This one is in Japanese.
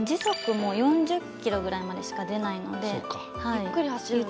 ゆっくり走るんだ。